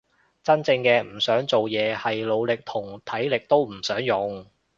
真正嘅唔想做嘢係腦力同體力都唔想用